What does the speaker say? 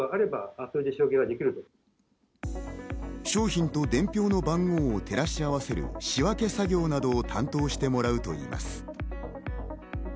商品と伝票の番号を照らし合わせる仕分け作業などを担当してもらうといいます。